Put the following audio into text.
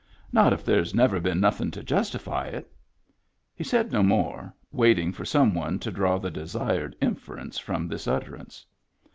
Not if there's never been nothing to justify it" He said no more, waiting for some one to draw the desired inference from this utterance.